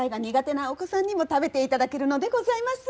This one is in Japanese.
なお子さんにも食べていただけるのでございます。